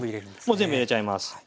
もう全部入れちゃいます。